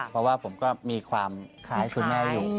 เพราะว่าผมก็มีความคล้ายคุณแม่อยู่